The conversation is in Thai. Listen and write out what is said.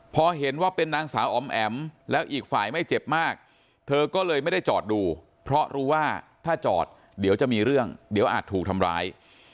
พอเห็นว่าเป็นนางสาวอ๋อมแอ๋มแล้วอีกฝ่ายไม่เจ็บมากเธอก็เลยไม่ได้จอดดูเพราะรู้ว่าถ้าจอดเดี๋ยวจะมีเรื่องเดี๋ยวอาจถูกทำร้าย